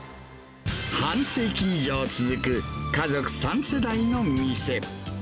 半世紀以上続く、家族３世代の店。